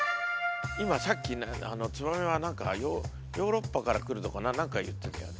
今さっきツバメは何かヨーロッパから来るとか何か言ってたよね？